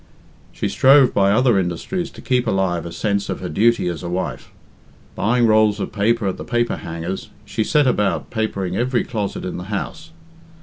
She strove by other industries to keep alive a sense of her duty as a wife. Buying rolls of paper at the paperhanger's, she set about papering every closet in the house.